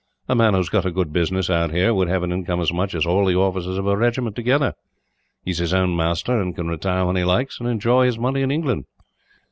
"A man who has got a good business, out here, would have an income as much as all the officers of a regiment, together. He is his own master, and can retire when he likes, and enjoy his money in England.